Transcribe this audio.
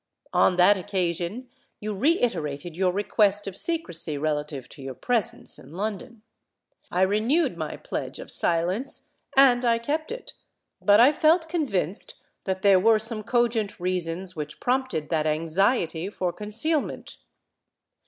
On that occasion you reiterated your request of secrecy relative to your presence in London. I renewed my pledge of silence—and I kept it; but I felt convinced that there were some cogent reasons which prompted that anxiety for concealment.